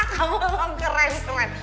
kamu ngomong keren temen